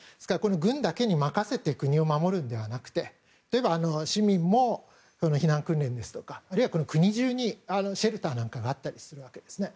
軍だけに任せて国を守るのではなくて市民も避難訓練ですとかあるいは国中にシェルターなんかがあったりするわけですね。